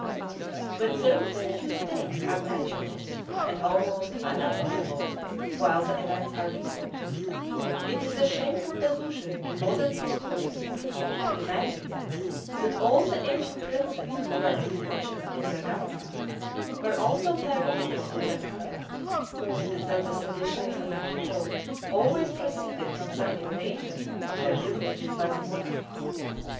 But though such mistakes are natural and almost unavoidable while the events are recent, it is a shameful delusion in modern historians, to imagine that all the ancient princes who were unfortunate in their government, were also tyrannical in their conduct; and that the seditions of the people always proceeded from some invasion of their privileges by the monarch.